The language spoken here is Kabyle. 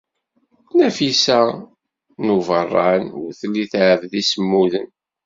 Nafisa n Ubeṛṛan ur telli tɛebbed imsemmuden.